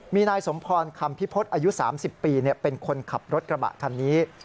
มีนายสมพรคำพิพฤษอายุ๓๐ปีเป็นคนขับรถกระบะคันนี้